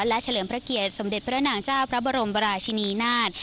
และเฉลิมพระเกียรติสมเด็จพระนางเจ้าพระบรมราชินีนาฏ